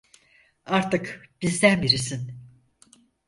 Artık bizden birisin.